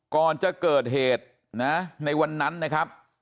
ก่อนจะเกิดเหตุนะในวันนั้นนะครับ